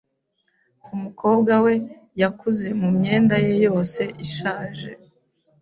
Umukobwa we yakuze mumyenda ye yose ishaje.